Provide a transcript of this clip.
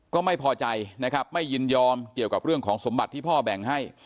ก็ไม่พอใจนะครับไม่ยินยอมเกี่ยวกับเรื่องของสมบัติที่พ่อแบ่งให้